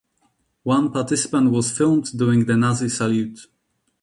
One participant was filmed doing the Nazi salute.